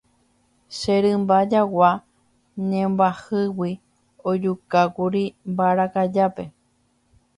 Che rymba jagua ñembyahýigui ojukákuri mbarakajápe.